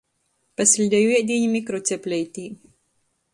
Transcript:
Pasiļdeju iedīni mikrocepleitī.